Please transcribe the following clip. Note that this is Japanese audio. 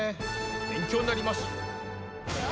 勉強になります。